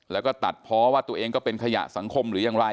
แล้วก็ตัดเพราะว่าตัวเองก็เป็นขยะสังคมหรือยังไร